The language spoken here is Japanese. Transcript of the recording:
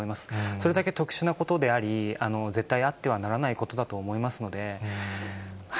それだけ特殊なことであり、絶対あってはならないことだと思いますので。